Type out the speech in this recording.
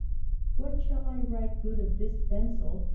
"What shall I write good of this Wenzel?"